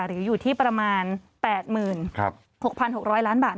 หรืออยู่ที่ประมาณ๘๖๖๐๐ล้านบาท